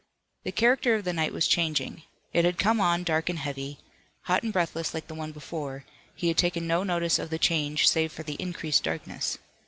The character of the night was changing. It had come on dark and heavy. Hot and breathless like the one before, he had taken no notice of the change save for the increased darkness.